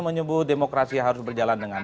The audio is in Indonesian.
menyebut demokrasi harus berjalan dengan